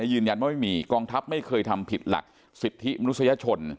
ยืนยันว่าไม่มีกองทัพไม่เคยทำผิดหลักสิทธิมนุษยชน